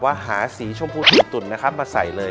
ว่าหาสีชมพูตูนมาใส่เลย